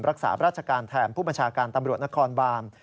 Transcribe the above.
รักษาราชการแทนผู้บัญชาการตำรวจนครบาน